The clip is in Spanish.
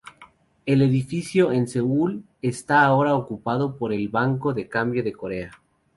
El edificio en Seúl está ahora ocupado por el Banco de Cambio de Corea.